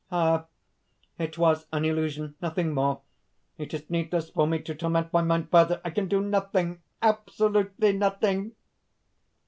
_) "Ah!... it was an illusion ... nothing more. It is needless for me to torment my mind further! I can do nothing! absolutely nothing."